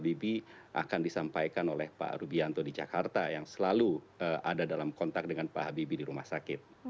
jadi pak habibie akan disampaikan oleh pak rubianto di jakarta yang selalu ada dalam kontak dengan pak habibie di rumah sakit